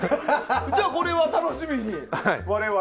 じゃあ、これは楽しみに。